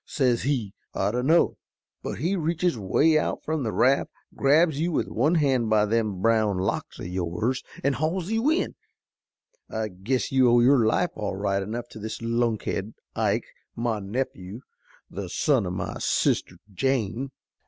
Says he, 'I dunno.' But he reaches away out from the raft, grabs you with one hand by them brown locks o' yours, an' hauls you in. I guess you owe your life all right enough to this lunkhead, Ike, my nephew, the son o' my sister Jane."